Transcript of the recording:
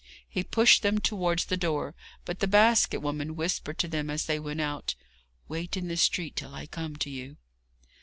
He pushed them towards the door, but the basket woman whispered to them as they went out: 'Wait in the street till I come to you.'